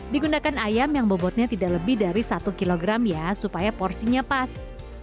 digunakan ayam yang bobotnya tidak lebih dari satu kg ya supaya porsinya pas